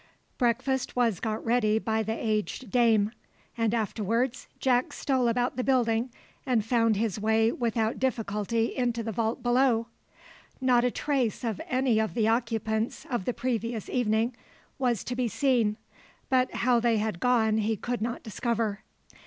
Breakfast was got ready by the aged dame; and afterwards Jack stole about the building, and found his way without difficulty into the vault below. Not a trace of any of the occupants of the previous evening was to be seen, but how they had gone he could not discover.